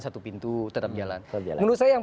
satu pintu tetap jalan menurut saya yang